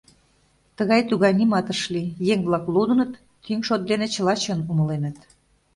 Тыгай-тугай нимат ыш лий, еҥ-влак лудыныт, тӱҥ шот дене чыла чын умыленыт.